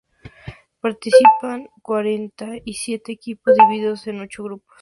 Participaron cuarenta y siete equipos, divididos en ocho grupos.